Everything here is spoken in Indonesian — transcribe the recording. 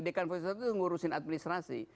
dekan fakultas filsafat itu ngurusin administrasi